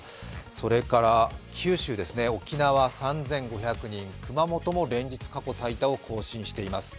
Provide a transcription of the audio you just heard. それから九州ですね、沖縄３５００人、熊本も連日過去最多を更新しています。